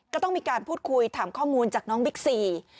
ก็ต้องมีการพูดคุยถามข้อมูลจากน้องบิ๊กซี